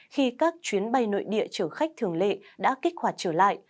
khi các chuyến bay nội địa chở khách thường lệ đã kích hoạt trở lại